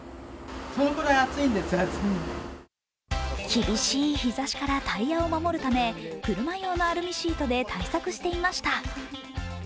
厳しい日ざしからタイヤを守るため、車用のアルミシートで対策していました。